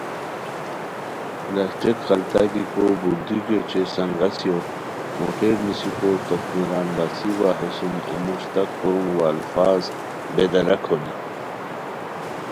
پلاسٹک خلتہ گیکو بوردوکیو اوچے سنگاسیو, موٹر نیسیکو توخمیران بسی وا ہے سُم اموشتہ کوروم وا الفاظ بے دراک ہونی